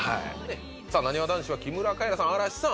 さぁなにわ男子は木村カエラさん嵐さん